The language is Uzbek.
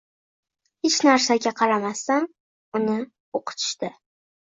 Hech narsaga qaramasdan uni o‘qitishdi.